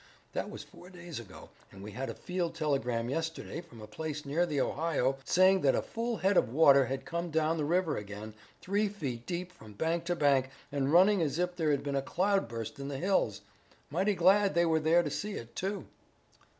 That was four days ago, and we had a field telegram yesterday from a place near the Ohio, saying that a full head of water had come down the river again, three feet deep from bank to bank and running as if there had been a cloudburst in the hills. Mighty glad they were to see it, too."